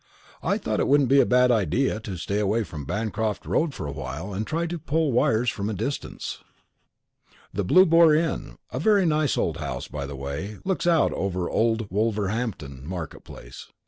I thought it wouldn't be a bad idea to stay away from Bancroft Road for a while and try to pull wires from a distance: The Blue Boar Inn a very nice old house, by the way looks out over the old Wolverhampton market place.